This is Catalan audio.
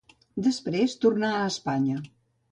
Després tornà a Espanya.